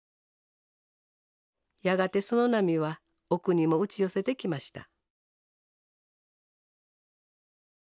やがてその波は奥にも打ち寄せてきました。